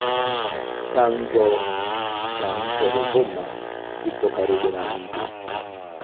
Chanzo cha mto Ruvuma kipo karibu na mji.